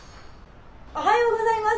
「おはようございます。